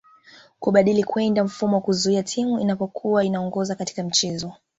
Kubadili kwenda mfumo wa kuzuia Timu inapokua inaongoza katika mchezo